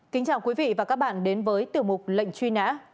kính chào quý vị và các bạn đến với tiểu mục lệnh truy nã